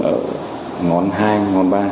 ở ngón hai ngón ba